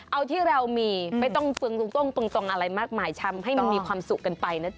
เอาที่เรามีไปตรงอะไรมากมายชำให้มันมีความสุขกันไปนะจ๊ะ